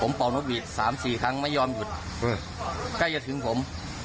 ผมปล่อมรถวีทสามสี่ครั้งไม่ยอมหยุดหรือใกล้จะถึงผม